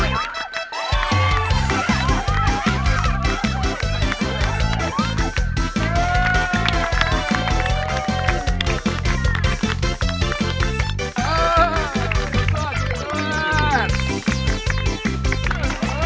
เย้รอดรอดรอด